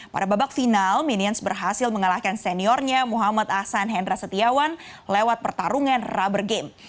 pada babak final minions berhasil mengalahkan seniornya muhammad ahsan hendra setiawan lewat pertarungan rubber game